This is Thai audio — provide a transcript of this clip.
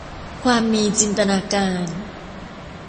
ความมีจินตนาการ